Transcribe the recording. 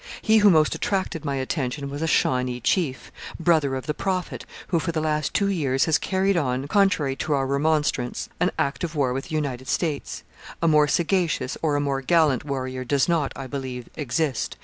He who most attracted my attention was a Shawnee chief brother of the Prophet, who for the last two years has carried on, contrary to our remonstrance, an active war with the United States. A more sagacious or a more gallant warrior does not, I believe, exist.